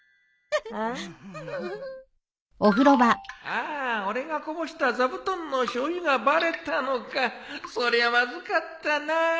ああ俺がこぼした座布団のしょうゆがバレたのかそりゃまずかったな。